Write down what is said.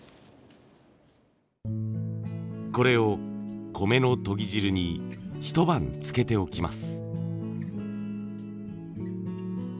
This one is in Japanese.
これを米のとぎ汁にひと晩つけておきます。